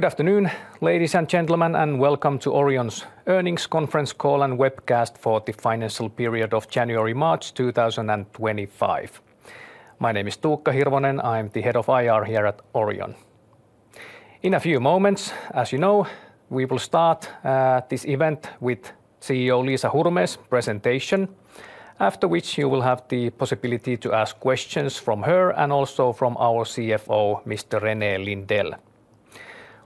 Good afternoon ladies and gentlemen and welcome to Orion's Earnings Conference Call and webcast for the financial period of January March 2025. My name is Tuukka Hirvonen, I'm the Head of IR here at Orion. In a few moments, as you know, we will start this event with CEO Liisa Hurme's presentation, after which you will have the possibility to ask questions from her and also from our CFO Mr. René Lindell.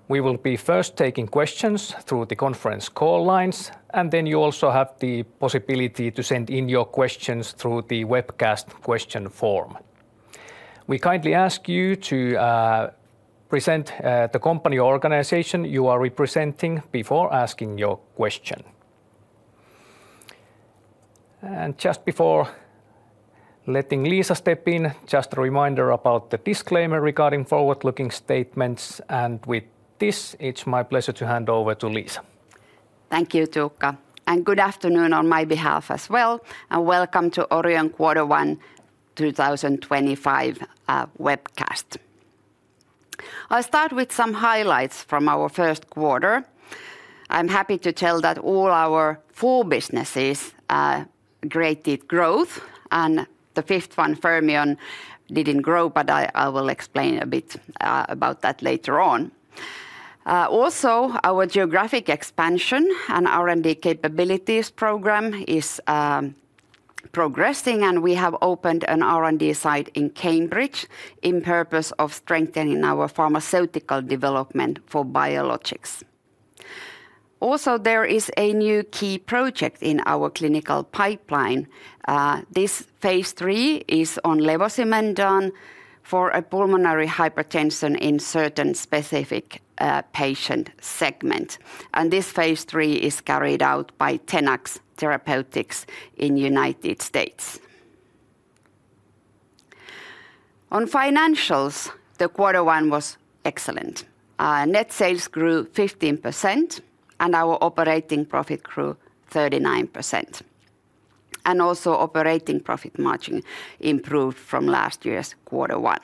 We will be first taking questions through the conference call lines and then you also have the possibility to send in your questions through the webcast question form. We kindly ask you to present the company organization you are representing before asking your question. Just before letting Liisa step in, just a reminder about the disclaimer regarding forward looking statements and with this it's my pleasure to hand over to Liisa. Thank you Tuukka and good afternoon on my behalf as well and welcome to Orion Quarter One 2025 webcast. I'll start with some highlights from our first quarter. I'm happy to tell that all our four businesses great growth and the fifth one, Fermion, didn't grow, but I will explain a bit about that later on. Also our geographic expansion and R&D capabilities program is progressing and we have opened an R&D site in Cambridge in purpose of strengthening our pharmaceutical development for biologics. Also there is a new key project in our clinical pipeline. This phase III is on Levosimendan for a pulmonary hypertension in certain specific patient segment and this phase III is carried out by Tenax Therapeutics in United States. On financials, the quarter one was excellent. Net sales grew 15% and our operating profit grew 39% and also operating profit margin improved from last year's quarter. Quarter one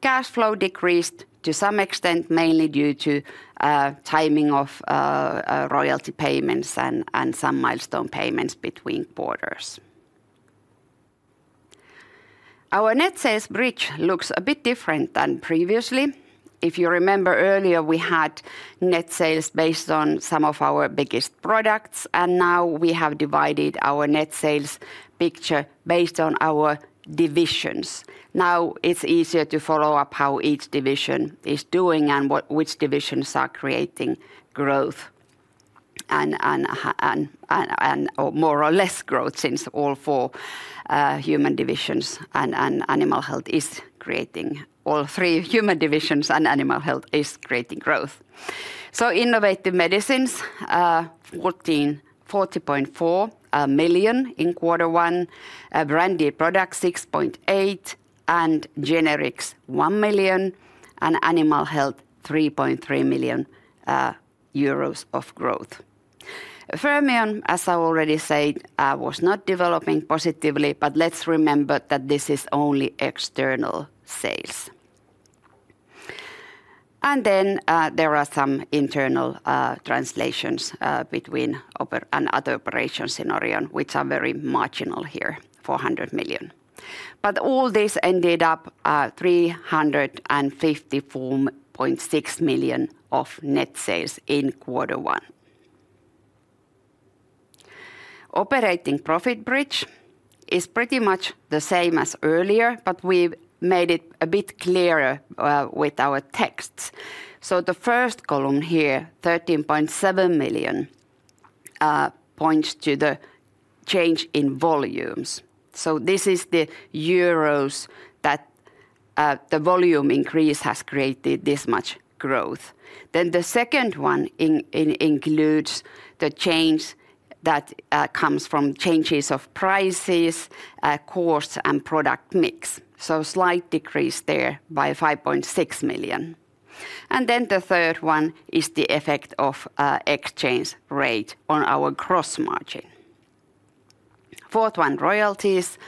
cash flow decreased to some extent mainly due to timing of royalty payments and some milestone payments between borders. Our net sales bridge looks a bit different than previously. If you remember earlier we had net sales based on some of our biggest products and now we have divided our net sales picture by based on our divisions. Now it's easier to follow up how each division is doing and which divisions are creating growth and more or less growth since all four human divisions and animal health is creating all three human divisions and animal health is creating growth. Innovative medicines 40.4 million in quarter one, branded products 6.8 million and generics 1 million and animal health 3.3 million euros of growth. Fermion as I already said was not developing positively, but let's remember that this is only external sales and then there are some internal translations between and other operations in Orion which are very, very marginal here 400 million. But all this ended up 354.6 million of net sales in quarter one. Operating profit bridge is pretty much the same as earlier, but we've made it a bit clearer with our texts. The first column here, 13.7 million points to the change in volumes. This is the euros that the volume increase has created this much growth. The second one includes the change that comes from changes of prices, cost and product mix. Slight decrease there by 5.6 million. The third one is the effect of exchange rate on our gross margin. Fourth one, royalties,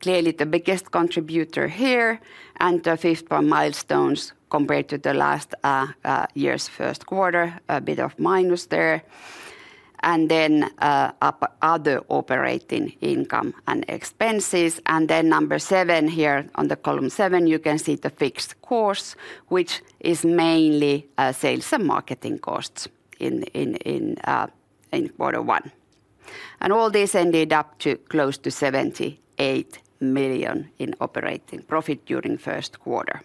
clearly the biggest contributor here. The fifth milestones compared to last year's first quarter, a bit of minus there. Other operating income and expenses. Number seven here on column seven you can see the fixed costs, which is mainly sales and marketing costs in quarter one. All this ended up to close to 78 million in operating profit during first quarter.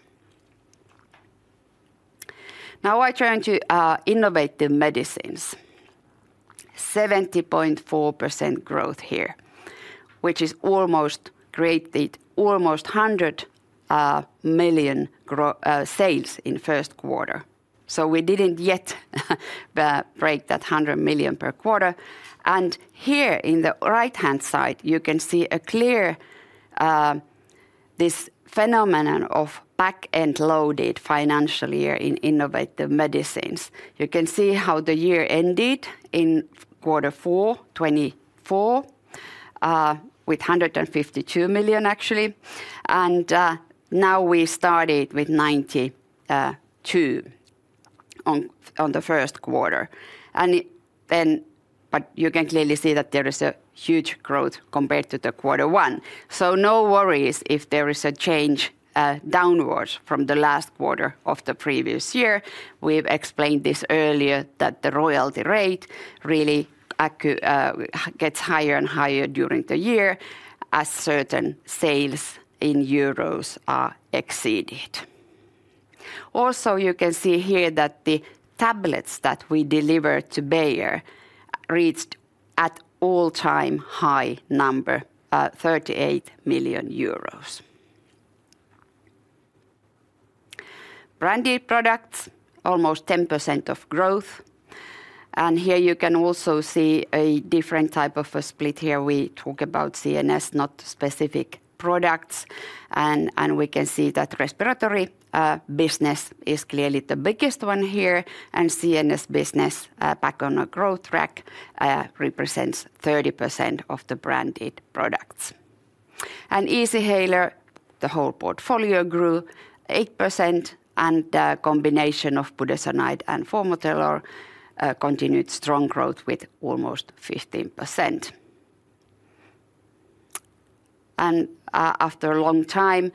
I try to innovate the medicines. 70.4% growth here, which almost created almost 100 million sales in first quarter. We did not yet break that 100 million per quarter. Here on the right-hand side you can see clearly this phenomenon of back end loaded financial year in innovative medicines. You can see how the year ended in quarter four 2024 with 152 million actually. Now we started with 92 million on the first quarter. You can clearly see that there is a huge growth compared to quarter one. No worries if there is a change downwards from the last quarter of the previous year. We've explained this earlier that the royalty rate really gets higher and higher during the year as certain sales in EUR are exceeded. You can also see here that the tablets that we deliver to Bayer reached an all-time high number, EUR 38 million. Branded products, almost 10% of growth. Here you can also see a different type of a split. Here we talk about CNS, not specific products. We can see that respiratory business is clearly the biggest one here. CNS business, back on a growth track, represents 30% of the branded products. Easy haler, the whole portfolio grew 8%. The combination of Budesonide and Formoterol continued strong growth with almost 15%. After a long time,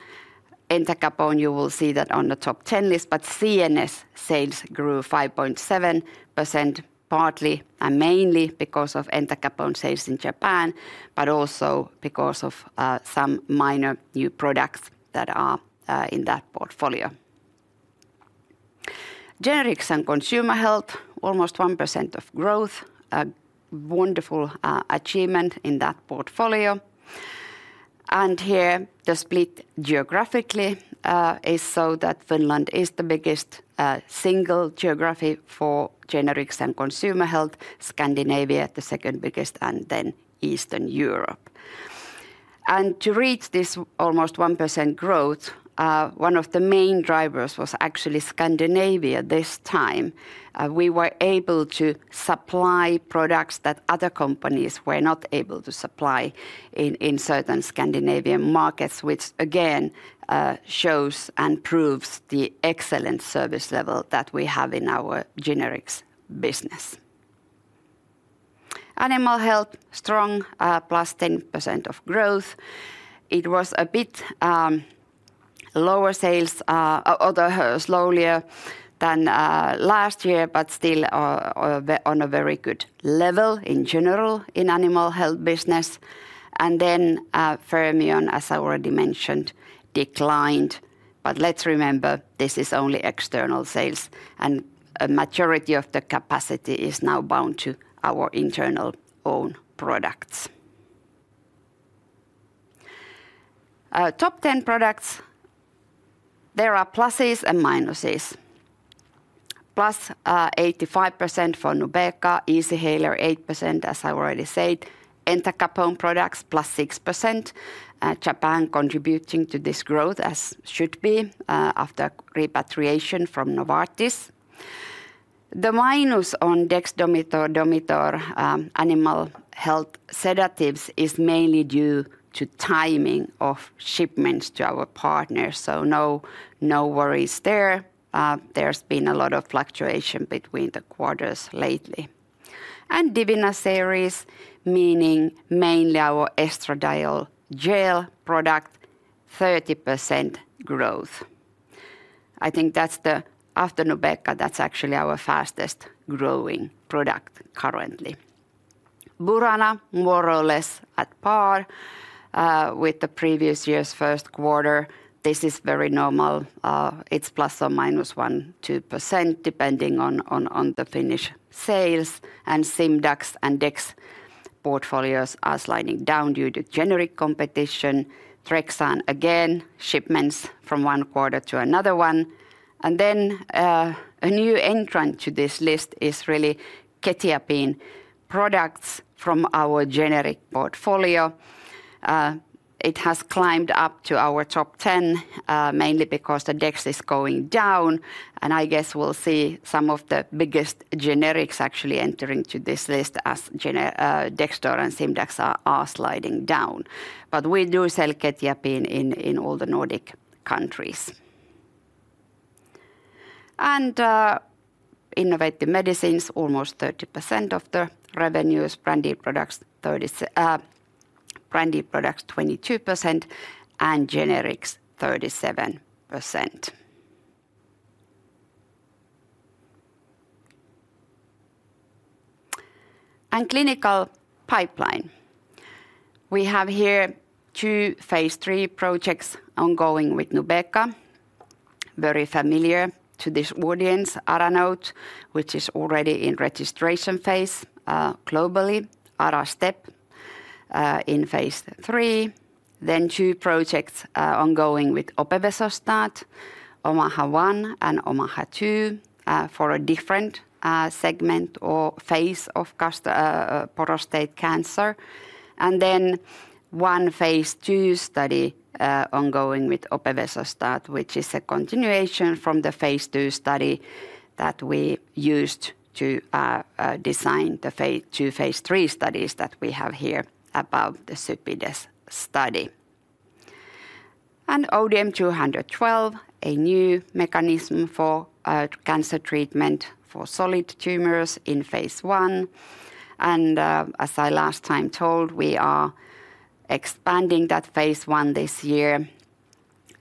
Entacapone, you will see that on the top 10 list. CNS sales grew 5.7%, partly and mainly because of Entacapone sales in Japan, but also because of some minor new products that are in that portfolio. Generics and consumer health almost 1% of growth. A wonderful achievement in that portfolio. Here the split geographically is so that Finland is the biggest single geography for generics and consumer health, Scandinavia the second biggest, and then Eastern Europe. To reach this almost 1% growth, one of the main drivers was actually Scandinavia. This time we were able to supply products that other companies were not able to supply in certain Scandinavian markets, which again shows and proves the excellent service level that we have in our generics business. Animal health strong plus 10% of growth. It was a bit lower sales, although slowly than last year, but still on a very good level in general in animal health business. Then Fermion as I already mentioned, declined. Let's remember this is only external sales and a majority of the capacity is now bound to our internal own products. Top 10 products there are pluses and minuses. Plus 85% for Nubeqa, Easyhaler 8% as I already said, Entacapone products plus 6%. Japan contributing to this growth as should be after repatriation from Novartis. The minus on Dexdomitor Domitor animal health sedatives is mainly due to timing of shipments to our partners. No worries there. There's been a lot of fluctuation between the quarters lately and Divina series, meaning mainly our estradiol gel product. 30% growth. I think that's the after Nubeqa. That's actually our fastest growing product currently. Burana more or less at par with the previous year's first quarter. This is very normal. It's plus or minus 1.2% depending on the Finnish sales. Simdax and Dexdor portfolios are sliding down due to generic competition. Trexan again shipments from one quarter to another one. A new entrant to this list is really Ketipinor products from our generic portfolio. It has climbed up to our top 10 mainly because the Dexdor is going down. I guess we'll see some of the biggest generics actually enter into this list as Dexdor and Simdax are sliding down. We do sell Ketipinor in all the Nordic countries and innovative medicines almost 30% of the revenues. Branded products 22% and generics 37%. Clinical pipeline. We have here two phase III projects ongoing with Nubeqa very familiar to this audience. ARANOTE, which is already in registration phase globally. ARASTEP phase III. two projects ongoing with Opevesostat, OMAHA 1 and OMAHA 2, for a different segment or phase of prostate cancer. One phase II study ongoing with Opevesostat, which is a continuation from the phase II study that we used to design the phase III studies that we have here above. The CYPIDAS study, ODM-212, a new mechanism for cancer treatment for solid tumors phase I. as I last time told, we are expanding phase I this year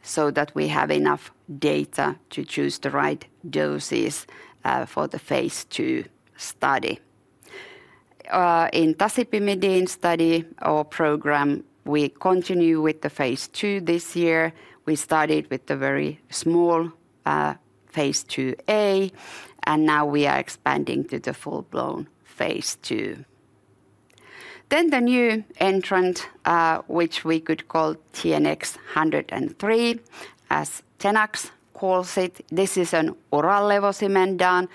so that we have enough data to choose the right doses for the phase II study in Tasipimidine study or program. We continue with the phase II this year. We started with the very small phase II A and now we are expanding to the full blown phase II. The new entrant, which we could call TNX-103 as Tenax calls it, is an oral Levosimendan.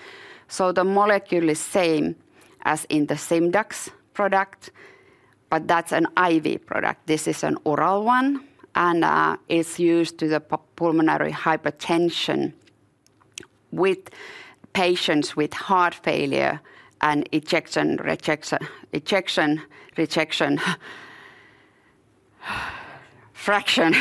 The molecule is the same as in the Simdax product, but that's an IV product. This is an oral one and is used for pulmonary hypertension with patients with heart failure and ejection fraction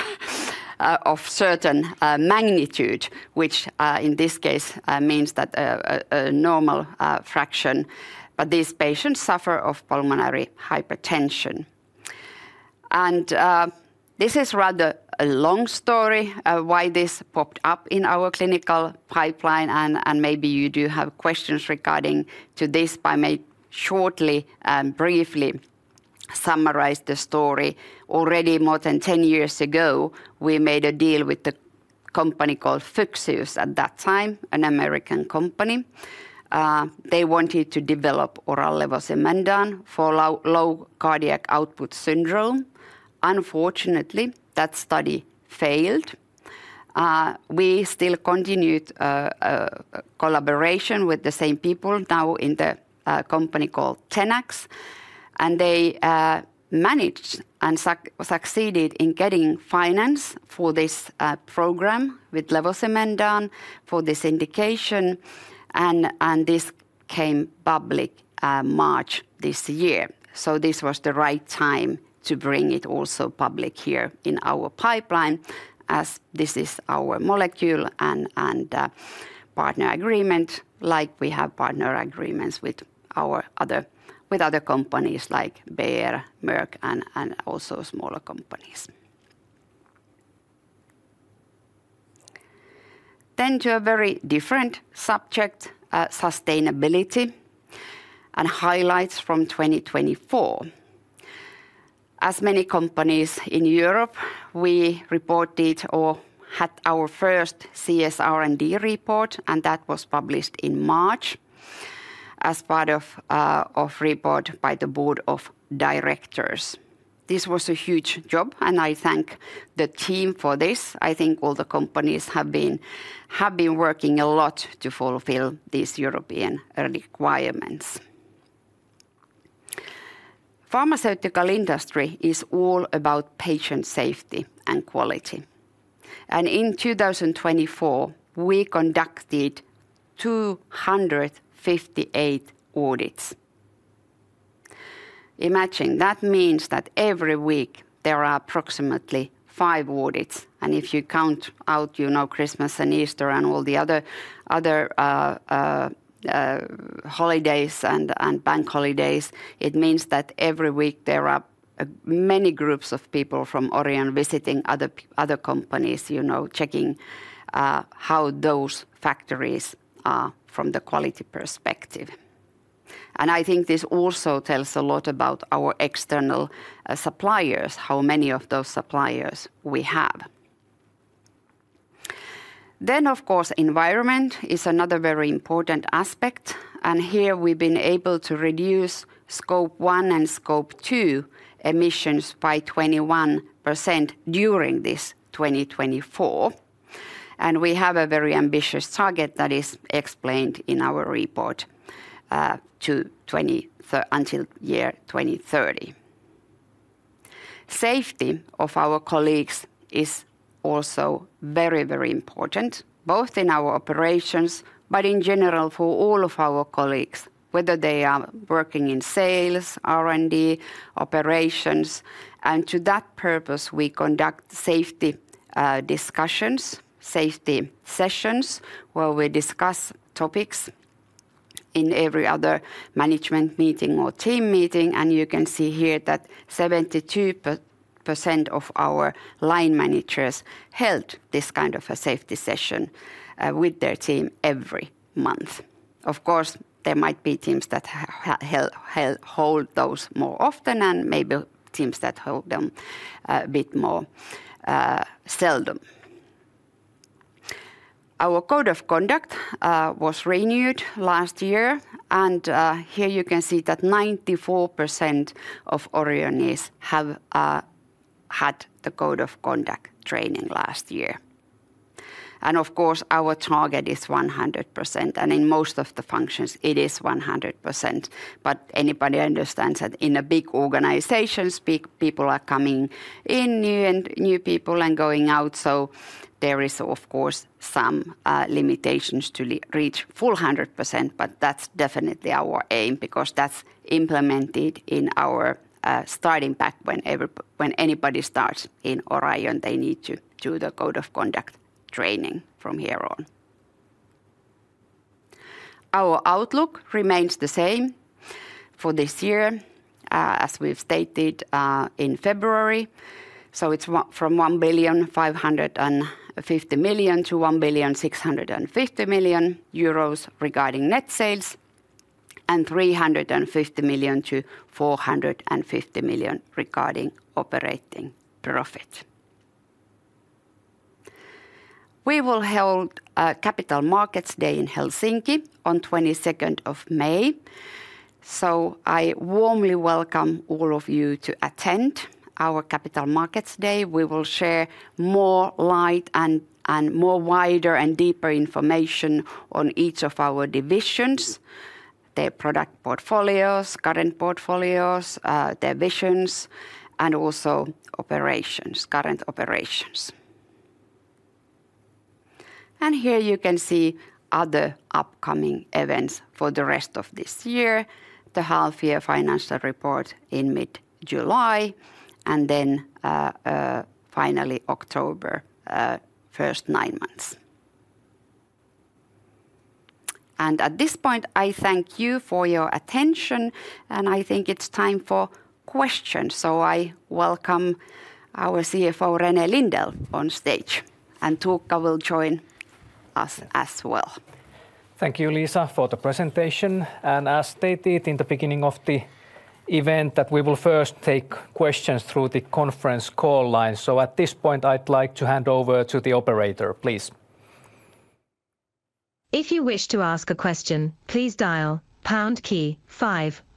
of certain magnitude, which in this case means a normal fraction. These patients suffer from pulmonary hypertension. This is rather a long story why this popped up in our clinical pipeline. Maybe you do have questions regarding this, but I may shortly and briefly summarize the story. Already more than 10 years ago we made a deal with a company called Phyxius, at that time an American company. They wanted to develop oral Levosimendan for low cardiac output syndrome. Unfortunately, that study failed. We still continued collaboration with the same people now in the company called Tenax and they managed and succeeded in getting finance for this program with Levosimendan for this indication. This came public March this year. This was the right time to bring it also public here in our pipeline. As this is our molecule and partner agreement like we have partner agreements with other companies like Bayer, Merck and also smaller companies. To a very different subject, sustainability and highlights from 2024. As many companies in Europe we reported or had our first CSR report and that was published in March as part of report by the board of directors. This was a huge job and I thank the team for this. I think all the companies have been working to fulfill these European requirements. Pharmaceutical industry is all about patient safety and quality. In 2024 we conducted 258 audits. That means that every week there are approximately five audits. If you count out Christmas and Easter and all the other holidays and bank holidays, it means that every week there are many groups of people from Orion visiting other companies, checking how those factories are from the quality perspective. I think this also tells a lot about our external suppliers, how many of those suppliers we have. Of course, environment is another very important aspect. Here we've been able to reduce scope 1 and scope 2 emissions by 21% during 2024. We have a very ambitious target that is explained in our report until year 2030. Safety of our colleagues is also very, very important, both in our operations, but in general for all of our colleagues, whether they are working in sales, R&D, operations. To that purpose we conduct safety discussions, safety sessions where we discuss topics in every other management meeting or team meeting. You can see here that 72 of our line managers held this kind of a safety session with their team every month. Of course there might be teams that hold those more often and maybe teams that hold them a bit more seldom. Our Code of Conduct was renewed last year and here you can see that 94% of Orionees have had the Code of Conduct training last year. Of course our target is 100% and in most of the functions it is 100%. Anybody understands that in a big organization people are coming in, new people and going out. There is of course some limitations to reach full 100%. That is definitely our aim because that is implemented in our starting pack. Whenever, when anybody starts in Orion, they need to do the Code of Conduct training. From here on, our outlook remains the same for this year as we have stated in February. It is from 1,550,000,000-1,650,000,000 euros regarding net sales and 350,000,000-450,000,000 regarding operating profit. We will hold Capital Markets Day in Helsinki on May 22nd. I warmly welcome all of you to attend our Capital Markets Day. We will share more light and more wider and deeper information on each of our divisions, their product portfolios, current portfolios, divisions and also operations, current operations. Here you can see other upcoming events for the rest of this year. The half year financial report in mid July and then finally October 1, nine months. At this point I thank you for your attention and I think it is time for questions. I welcome our CFO René Lindell on stage and Tuuka will join us as well. Thank you, Liisa, for the presentation, and as stated in the beginning of the event, we will first take questions through the conference call line. At this point, I'd like to hand over to the operator, please. If you wish to ask a question, please dial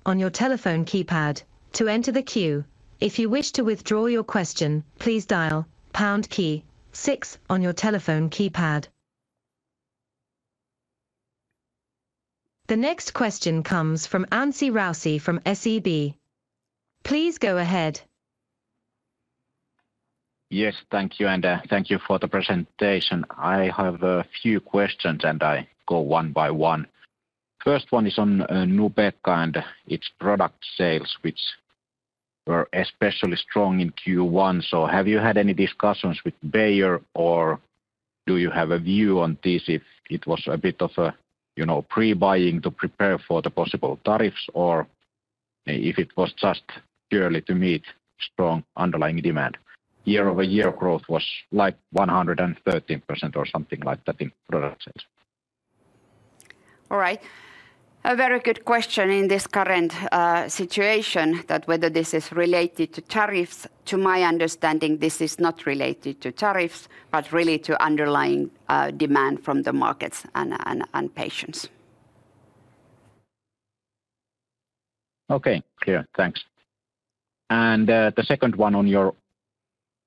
on your telephone keypad to enter the queue. If you wish to withdraw your question, please dial 6 on your telephone keypad. The next question comes from Anssi Raussi from SEB. Please go ahead. Yes, thank you and thank you for the presentation. I have a few questions and I go one by one. First one is on Nubeqa and its product sales which were especially strong in Q1. Have you had any discussions with Bayer or do you have a view on this? If it was a bit of pre buying to prepare for the possible tariffs or if it was just purely to meet strong underlying demand. Year over year growth was like 113% or something like that in product sense. All right, a very good question in this current situation that whether this is related to tariffs. To my understanding this is not related to tariffs but really to underlying demand from the markets and patients. Okay, thanks. The second one on your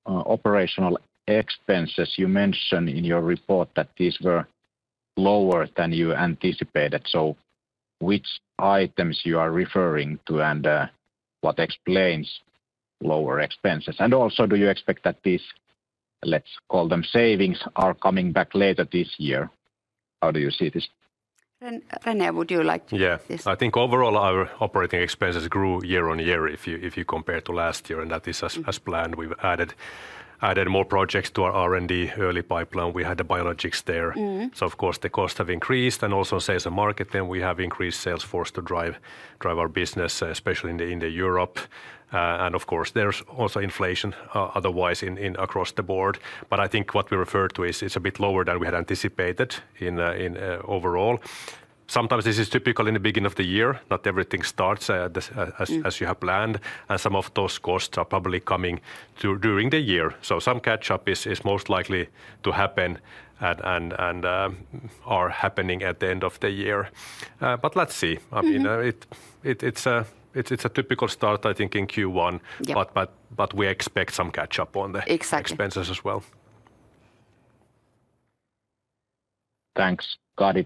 operational expenses, you mentioned in your report that these were lower than you anticipated. Which items are you referring to and what explains lower expenses? Also, do you expect that these, let's call them savings, are coming back later this year? How do you see this? René, would you like to. Yes, I think overall our operating expenses grew year on year if you compare to last year. That is as planned. We've added more projects to our R&D early pipeline. We had the biologics there, so of course the costs have increased and also sales and marketing, we have increased salesforce to drive our business, especially in Europe. Of course there's also inflation otherwise across the board. I think what we refer to is it's a bit lower than we had anticipated overall. Sometimes this is typical in the beginning of the year. Not everything starts as you have planned and some of those costs are probably coming during the year. Some catch up is most likely to happen and are happening at the end of the year. Let's see, I mean it's a typical start I think in Q1, but we expect some catch up on the expenses as well. Thanks. Got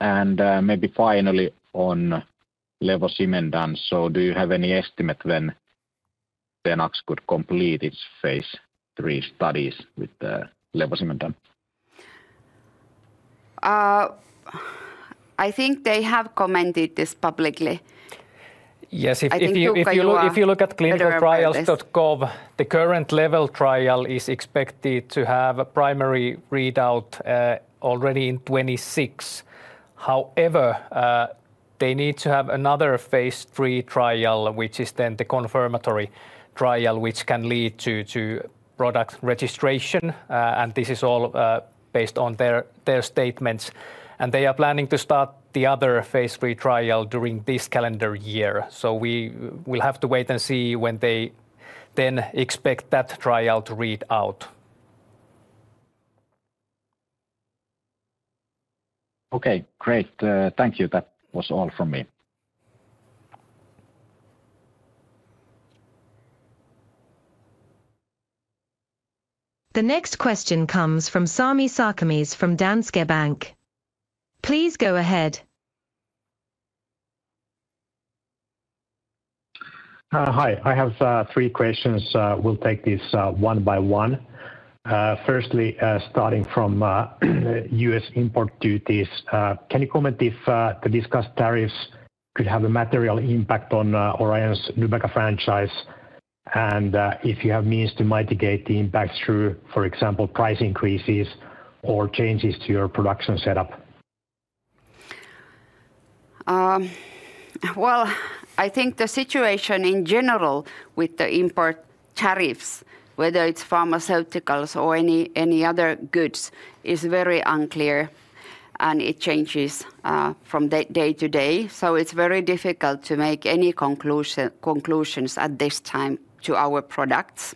it. Maybe finally on Levosimendan. Do you have any estimate when Tenax could complete phase III studies with the. I think they have commented this publicly, yes. If you look at clinicaltrials.gov the current level trial is expected to have a primary readout already in 2026. However, they need to have phase III trial which is then the confirmatory trial which can lead to product registration and this is all based on their statements and they are planning to start the phase III trial during this calendar year. We will have to wait and see when they then expect that trial to read out. Okay, great. Thank you. That was all from me. The next question comes from Sami Sarkamies from Danske Bank. Please go ahead. Hi. I have three questions. We'll take this one by one. Firstly, starting from U.S. import duties, can you comment if to discuss tariffs could have a material impact on Orion's Nubeqa franchise and if you have means to mitigate the impacts through for example price increases or changes to your production setup? I think the situation in general with the import tariffs, whether it's pharmaceuticals or any other goods, is very unclear and it changes from day to day. It is very difficult to make any conclusions at this time to our products.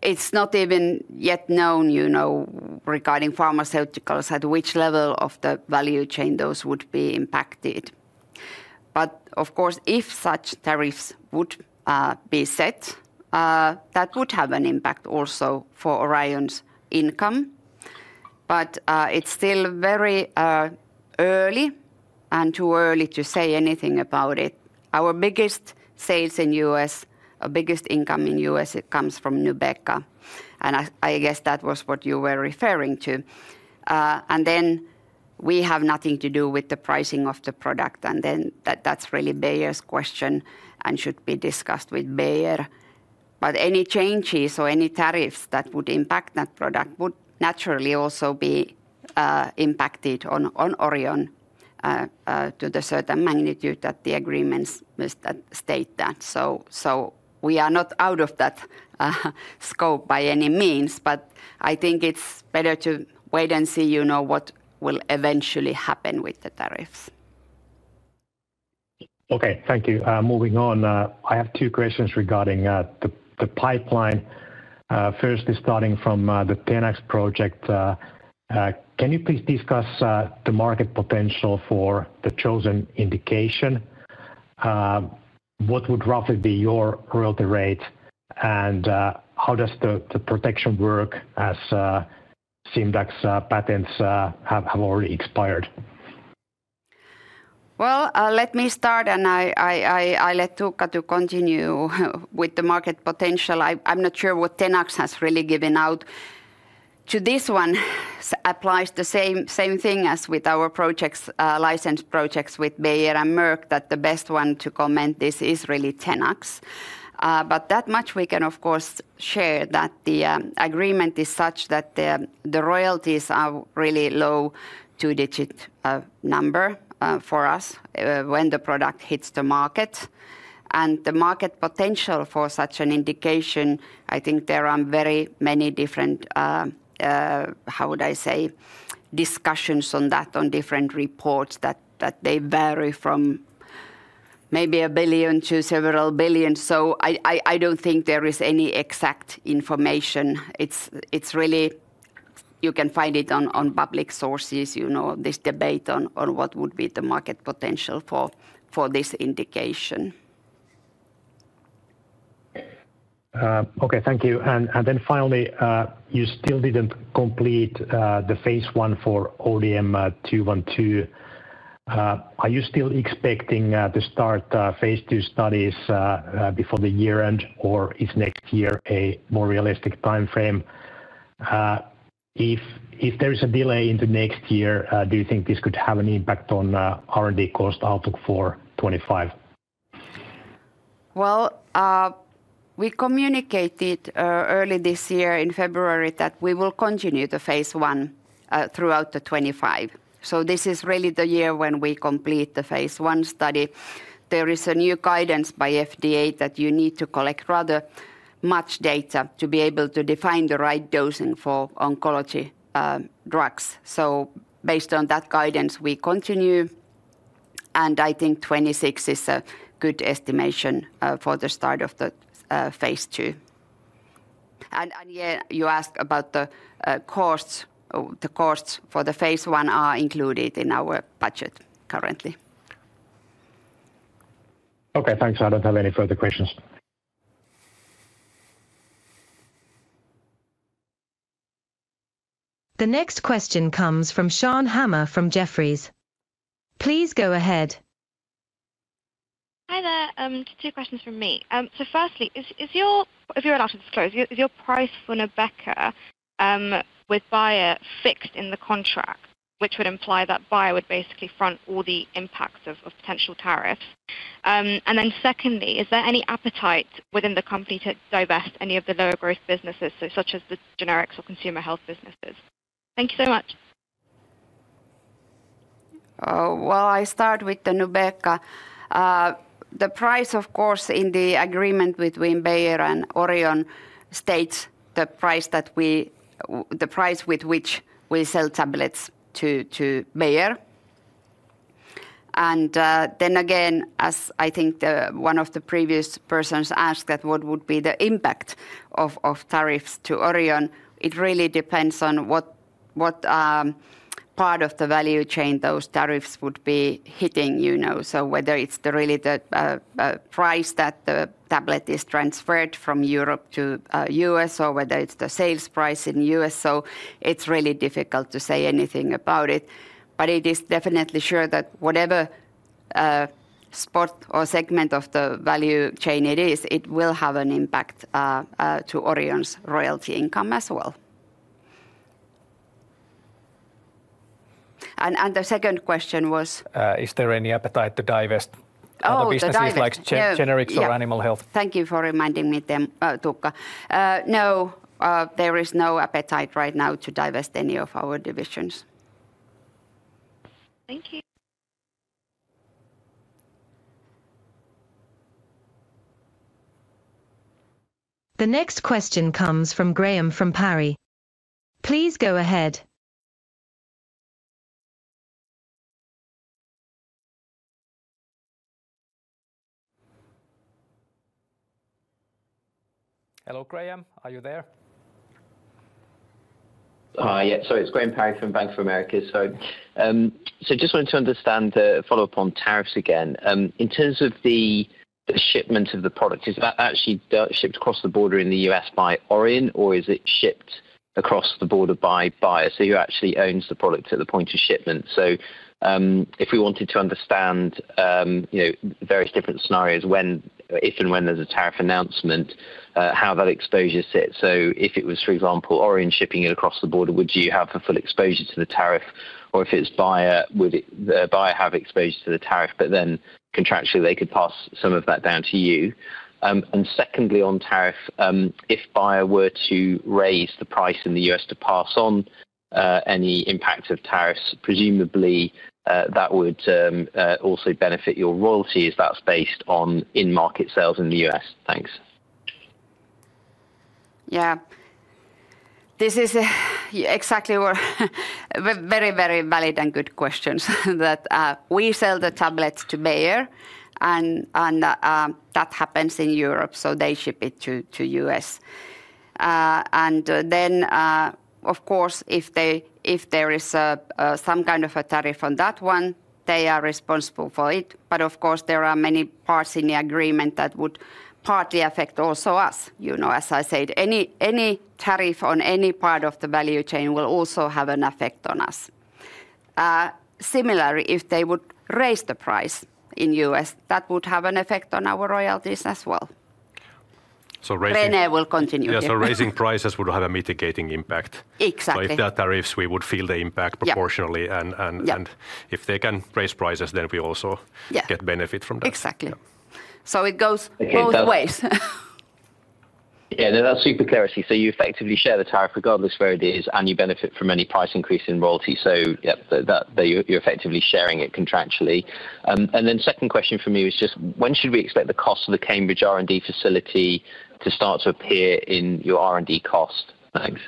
It is not even yet known, you know, regarding pharmaceuticals, at which level of the value chain those would be impacted. Of course, if such tariffs would be set, that would have an impact also for Orion's income. It is still very early and too early to say anything about it. Our biggest sales in U.S., our biggest income in U.S., it comes from Nubeqa and I guess that was what you were referring to. We have nothing to do with the pricing of the product. That is really Bayer's question and should be discussed with Bayer. Any changes or any tariffs that would impact that product would naturally also be impacted on Orion to the certain magnitude that the agreements must state that. We are not out of that scope by any means. I think it's better to wait and see, you know, what will eventually happen with the tariffs. Okay, thank you. Moving on, I have two questions regarding the pipeline. Firstly, starting from the Tenax project, can you please discuss the market potential for the chosen indication? What would roughly be your royalty rate and how does the protection work as Simdax patents have already expired. Let me start and I let Tuka to continue with the market potential. I'm not sure what Tenax has really given out to this one applies the same thing as with our projects, licensed projects with Bayer and Merck. That the best one to comment. This is really Tenax, but that much we can of course share that the agreement is such that the royalties are really low two-digit number for us when the product hits the market and the market potential for such an indication. I think there are very many different, how would I say, discussions on that on different reports that they vary from maybe 1 billion to several billion. I do not think there is any exact information. It's really, you can find it on public sources. You know, this debate on what would be the market potential for this indication. Okay, thank you. Finally, you still did not complete the phase I for ODM-212. Are you still expecting to start phase 2 studies before the year end or is next year a more realistic timeframe? If there is a delay into next year, do you think this could have an impact on R&D cost outlook for 2025? We communicated early this year in February that we will continue phase I throughout 2025. This is really the year when we complete phase I study. There is a new guidance by FDA that you need to collect rather much data to be able to define the right dosing for oncology drugs. Based on that guidance we continue and I think 2026 is a good estimation for the start of the phase II. You asked about the costs. The costs for phase I are included in our budget currently. Okay, thanks. I don't have any further questions. The next question comes from Sian Hammer from Jefferies. Please go ahead. Hi there. Two questions from me. Firstly, is your, if you're allowed to disclose, is your price for Nubeqa with Bayer fixed in the contract, which would imply that Bayer would basically front all the impacts of potential tariffs? Secondly, is there any appetite within the company to divest any of the lower growth businesses such as the generics or consumer health businesses? Thank you so much. I start with the Nubeqa. The price, of course, in the agreement between Bayer and Orion states the price that we, the price with which we sell tablets to Bayer. As I think one of the previous persons asked, what would be the impact of tariffs to Orion? It really depends on what part of the value chain those tariffs would be hitting. You know, whether it's really the price that the tablet is transferred from Europe to us or whether it's the sales price in US. It is really difficult, difficult to say anything about it, but it is definitely sure that whatever spot or segment of the value chain it is, it will have an impact to Orion's royalty income as well. The second question was is there. Any appetite to divest other businesses like generics or animal health? Thank you for reminding me, Tuukka. No, there is no appetite right now to divest any of our divisions. Thank you. The next question comes from Graham Parry. Please go ahead. Hello Graham, are you there? Hi, sorry, it's Graham Parry from Bank of America. I just wanted to understand, follow up on tariffs again in terms of the shipment of the product, is that actually shipped across the border in the U.S. by Orion or is it shipped across the border by Bayer? Who actually owns the product at the point of shipment? If we wanted to understand various different scenarios when, if and when there's a tariff announcement, how that exposure sits. If it was, for example, Orion shipping it across the border, would you have a full exposure to the tariff? Or if it's Bayer, would Bayer have exposure to the tariff, but then contractually they could pass some of that down to you. Secondly, on tariff, if Bayer were to raise the price in the U.S. to pass on any impact of tariffs, presumably that would also benefit your royalty as that's based on in-market sales in the U.S. Thanks. Yeah, this is exactly very, very valid and good questions. That we sell the tablets to Bayer and that happens in Europe, so they ship it to us. Of course, if there is some kind of a tariff on that one, they are responsible for it. Of course, there are many parts in the agreement that would partly affect also us. You know, as I said, any tariff on any part of the value chain will also have an effect on us. Similarly, if they would raise the price in the U.S., that would have an effect on our royalties as well. It will continue. Yeah. Raising prices would have a mitigating impact. Exactly. If that tariffs we would feel the impact proportionally. If they can raise prices, then we also get benefit from that. Exactly. It goes both ways. Yeah, that's super clarity. You effectively share the tariff regardless where it is and you benefit from any price increase in royalty. You are effectively sharing it contractually. Second question for me is just when should we expect the cost of the Cambridge R&D facility to start to appear in your R&D cost? Thanks.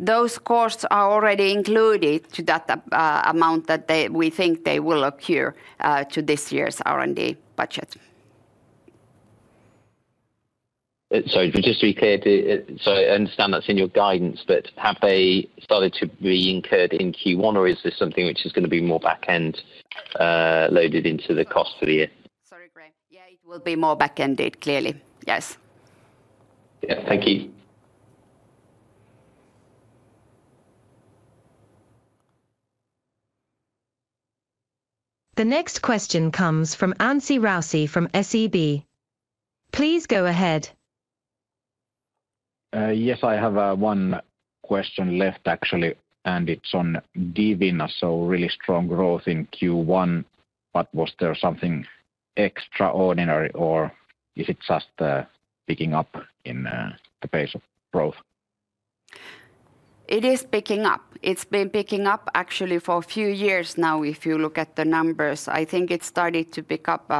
Those costs are already included to that amount that we think they will accrue to this year's R&D budget. Sorry, just to be clear. I understand that's in your guidance, but have they started to be incurred in Q1, or is this something which is going to be more back end loaded into the cost for the year? Sorry, Graham. Yeah, it will be more back ended, clearly. Yes, thank you. The next question comes from Anssi Raussi from SEB. Please go ahead. Yes, I have one question left actually and it's on DVN. Really strong growth in Q1. Was there something extraordinary or is it just picking up in the patient growth? It is picking up. It's been picking up actually for a few years now. If you look at the numbers, I think it started to pick up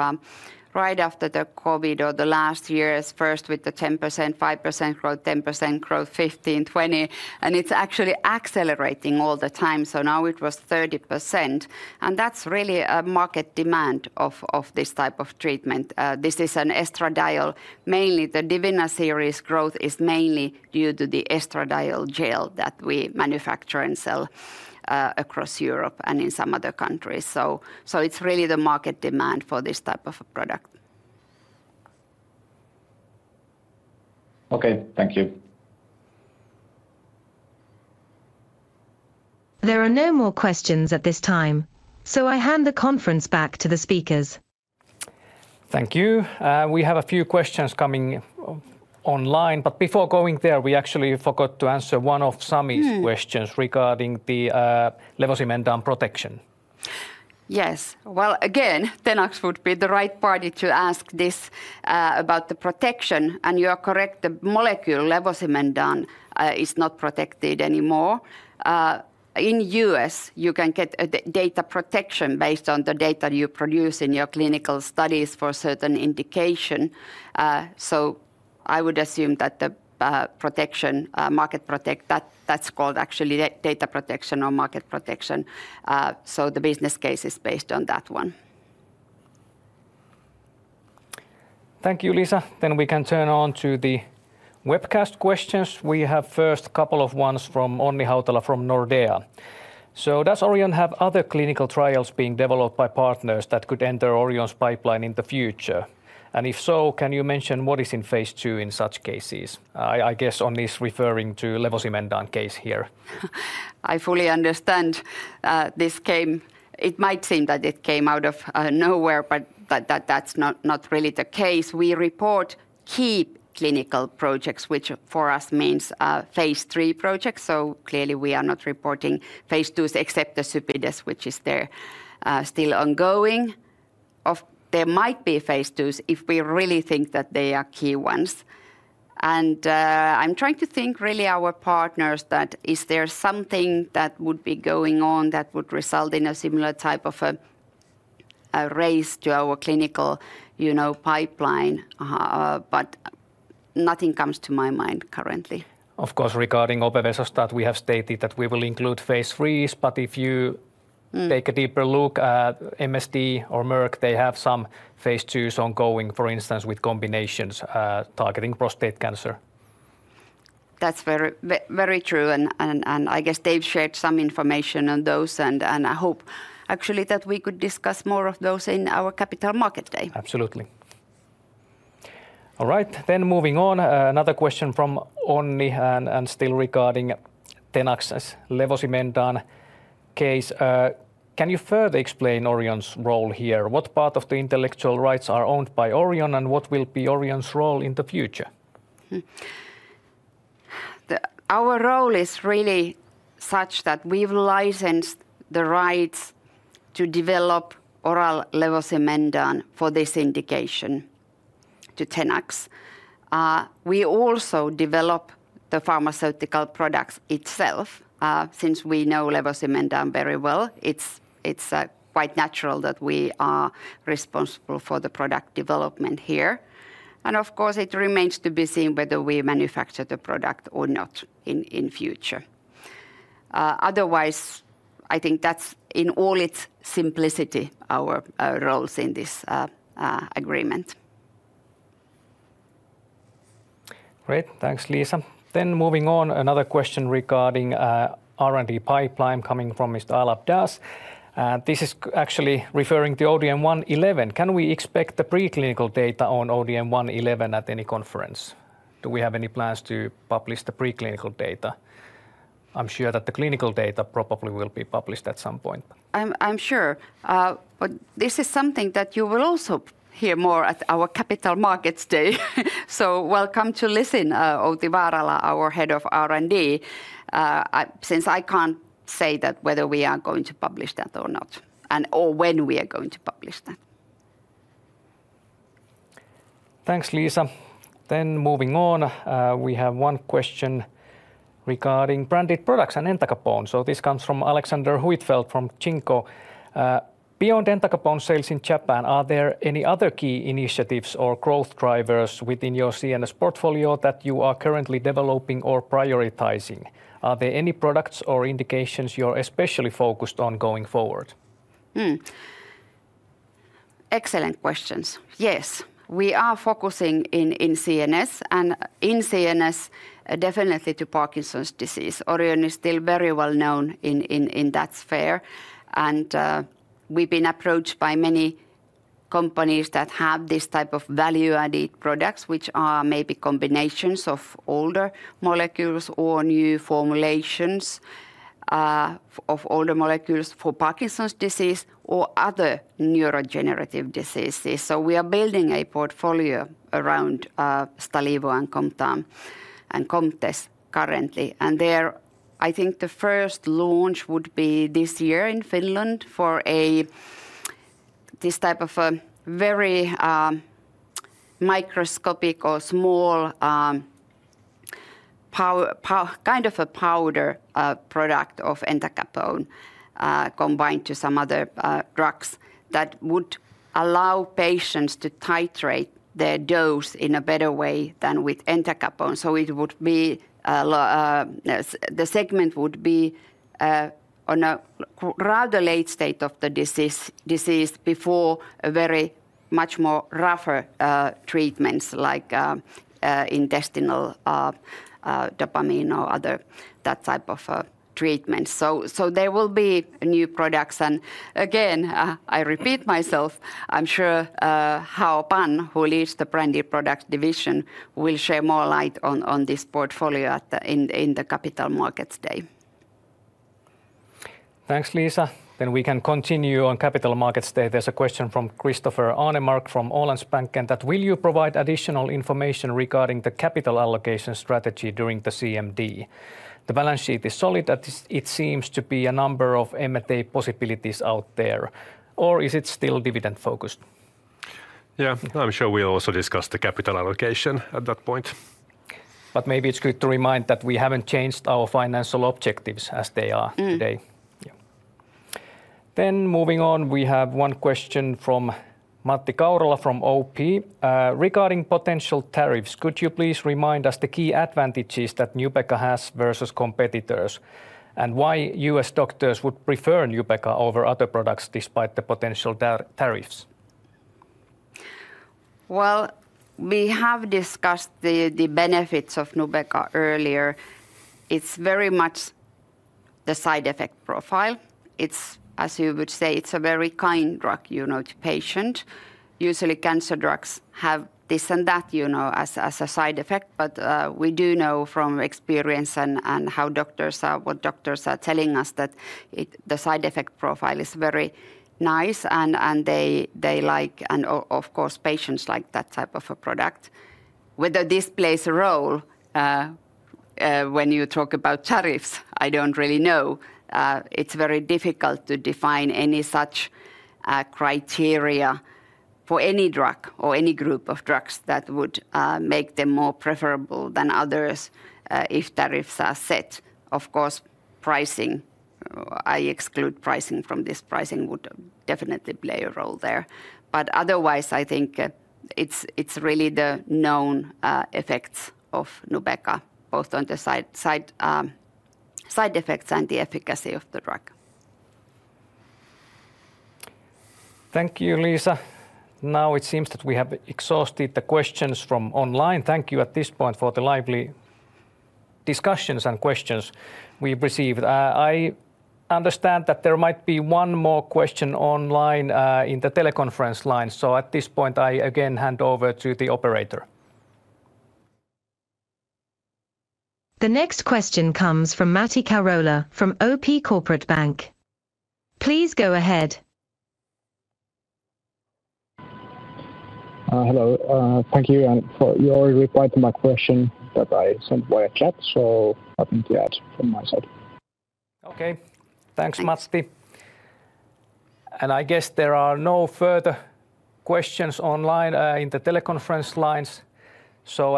right after the COVID or the last year first with the 10%, 5% growth. 10% growth, 15%, 20%. It's actually accelerating all the time. Now it was 30%. That's really a market demand of this type of treatment. This is an estradiol mainly, the Divina series growth is mainly due to the estradiol gel that we manufacture and sell across Europe and in some other countries. It's really the market demand for this type of product. Okay, thank you. There are no more questions at this time, so I hand the conference back to the speakers. Thank you. We have a few questions coming online, but before going there, we actually forgot to answer one of Sami's questions regarding the Levosimendan protection. Yes. Again, Tenax would be the right party to ask this about the protection. You are correct. The molecule Levosimendan is not protected anymore. In the U.S., you can get data protection based on the data you produce in your clinical studies for certain indication. I would assume that the protection, market protect, that's called actually data protection or market protection. The business case is based on that one. Thank you, Liisa. We can turn on to the webcast questions. We have first couple of ones from Onni Hautala from Nordea. Does Orion have other clinical trials being developed by partners that could enter Orion's pipeline in the future? If so, can you mention what is in phase II in such cases? I guess on this, referring to Levosimendan. Case here, I fully understand this came. It might seem that it came out of nowhere, but that's not really the case. We report key clinical projects, which for us means phase III projects. Clearly we are not reporting phase II's except the CYPIDAS, which is there still ongoing. There might be phase II's if we really think that they are key ones. I'm trying to think really our partners, that is there something that would be going on that would result in a similar type of race to our clinical pipeline? Nothing comes to my mind currently. Of course, regarding Opevesostat, we have stated that we will include phase III's, but if you take a deeper look at MSD or Merck, they have some phase II's ongoing, for instance with combinations targeting prostate cancer. That's very, very true. I guess Dave shared some information on those. I hope actually that we could discuss more of those in our Capital Markets Day. Absolutely. All right then, moving on, another question from Onni Hautala and still regarding Tenax as Levosimendan case. Can you further explain Orion's role here? What part of the intellectual rights are owned by Orion and what will be Orion's role in the future? Our role is really such that we've licensed the rights to develop oral Levosimendan for this indication to Tenax. We also develop the pharmaceutical products itself. Since we know Levosimendan very well, it's quite natural that we are responsible for the product development here. Of course it remains to be seen whether we manufacture the product or not in future. Otherwise I think that's in all its simplicity, our roles in this agreement. Great. Thanks, Liisa. Moving on, another question regarding R&D pipeline coming from Mr. Alabdas. This is actually referring to ODM-111. Can we expect the preclinical data on ODM-111 at any conference? Do we have any plans to publish the preclinical data? I'm sure that the clinical data probably will be published at some point, I'm sure. This is something that you will also hear more at our Capital Markets Day. Welcome to listen to Outi Vaarala, our Head of R&D. Since I can't say that whether we are going to publish that or not or when we are going to publish that. Thanks, Liisa. Moving on, we have one question regarding branded products and Entacapone. This comes from Alexander Huitfeldt from Chingo. Beyond Entacapone sales in Japan, are there any other key initiatives or growth drivers within your CNS portfolio that you are currently developing or prioritizing? Are there any products or indications you are especially focused on going forward? Excellent questions. Yes, we are focusing in CNS and in CNS definitely to Parkinson's disease. Orion is still very well known in that sphere and we've been approached by many companies that have this type of value added products which are maybe combinations of older molecules or new formulations of older molecules for Parkinson's disease or other neurodegenerative diseases. We are building a portfolio around Stalevo and Comtess and Comtess currently and there I think the first launch would be this year in Finland for this type of a very microscopic or small kind of a powder product of Entacapone combined to some other drugs that would allow patients to titrate their dose in a better way than with Entacapone. It would be the segment would be on a rather late state of the disease before very much more rougher treatments like intestinal dopamine or other that type of treatment. There will be new products and again I repeat myself, I'm sure Hao Pan, who leads the branded products division, will shed more light on this portfolio in the Capital Markets Day. Thanks, Liisa. We can continue on Capital Markets Day. There's a question from Christopher Arnemark from Handelsbanken and that will you provide additional information regarding the capital allocation strategy during the CMD? The balance sheet is solid. It seems to be a number of M&A possibilities out there or is it still dividend focused? Yeah, I'm sure we also discussed the capital allocation at that point. Maybe it's good to remind that we haven't changed our financial objectives as they are today. Moving on, we have one question from Matti Arola from OP regarding potential tariffs. Could you please remind us the key advantages that Nubeqa has versus competitors and why U.S. doctors would prefer Nubeqa over other products despite the potential tariffs? We have discussed the benefits of Nubeqa earlier. It's very much the side effect profile. It's as you would say, it's a very kind drug to patient. Usually cancer drugs have this and that as a side effect. We do know from experience and what doctors are telling us that the side effect profile is very nice and they like and of course patients like that type of a product. Whether this plays a role when you talk about tariffs, I don't really know. It's very difficult to define any such criteria for any drug or any group of drugs that would make them more preferable than others. If tariffs are set. Of course pricing, I exclude pricing from this. Pricing would definitely play a role there. I think it's really the known effects of Nubeqa both on the side effects and the efficacy of the drug. Thank you, Liisa. Now it seems that we have exhausted the questions from online. Thank you at this point for the lively discussions and questions we've received. I understand that there might be one more question online in the teleconference line. At this point I again hand over to the operator. The next question comes from Matti Arola from OP Corporate Bank. Please go ahead. Hello. Thank you. You already replied to my question that I sent via chat. So nothing to add from my side. Okay, thanks Matti. I guess there are no further questions online in the teleconference lines.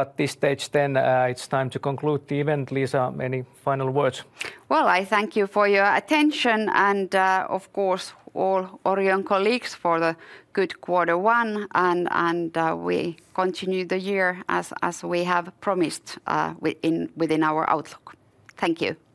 At this stage then it's time to conclude the event. Liisa, any final words? I thank you for your attention and of course all Orion colleagues for the good quarter one. We continue the year as we have promised within our outlook. Thank you.